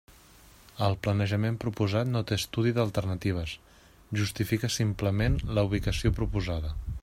El planejament proposat no té estudi d'alternatives, justifica simplement la ubicació proposada.